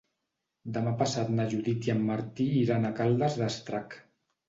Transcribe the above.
Demà passat na Judit i en Martí iran a Caldes d'Estrac.